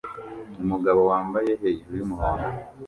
Umugabo wambaye hejuru yumuhondo